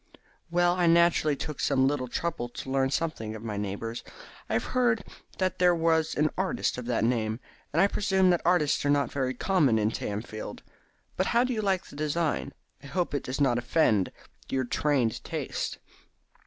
"Well, I naturally took some little trouble to learn something of my neighbours. I had heard that there was an artist of that name, and I presume that artists are not very numerous in Tamfield. But how do you like the design? I hope it does not offend your trained taste."